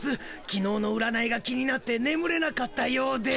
きのうの占いが気になってねむれなかったようで。